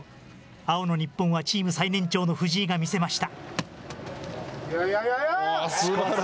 青の日本はチーム最年長の藤井が見せました。